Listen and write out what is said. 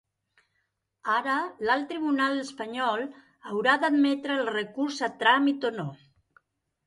Ara l’alt tribunal espanyol haurà d’admetre el recurs a tràmit o no.